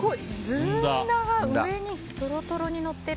ずんだが上にとろとろにのってる。